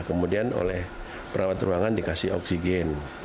kemudian oleh perawat ruangan dikasih oksigen